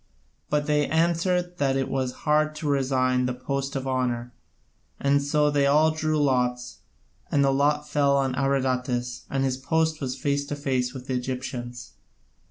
But they answered that it was hard to resign the post of honour, and so they all drew lots, and the lot fell on Abradatas, and his post was face to face with the Egyptians.